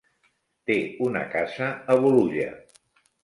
Té una casa a Bolulla.